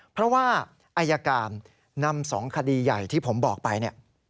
เพราะว่าอายการนำ๒คดีใหญ่ที่ผมบอกไปเนี่ย